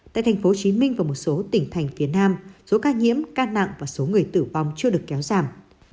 tại tp hcm và một số tỉnh thành phía nam số ca nhiễm ca nặng và số người tử vong chưa được kéo giảm